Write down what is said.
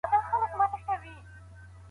يو څوک په هغه څه نسي مکلف کېدلای.